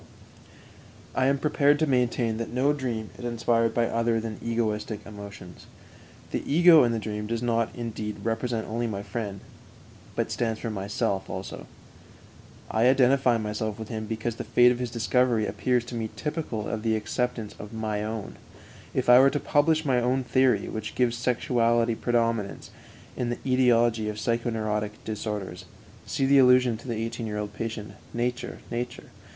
I am prepared to maintain that no dream is inspired by other than egoistic emotions. The ego in the dream does not, indeed, represent only my friend, but stands for myself also. I identify myself with him because the fate of his discovery appears to me typical of the acceptance of my own. If I were to publish my own theory, which gives sexuality predominance in the ætiology of psychoneurotic disorders (see the allusion to the eighteen year old patient _"Nature, Nature!"